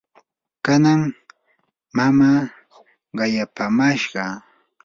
kanan mamaa qayapamashqa